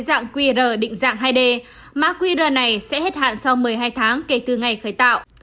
dạng qr định dạng hai d mã qr này sẽ hết hạn sau một mươi hai tháng kể từ ngày khởi tạo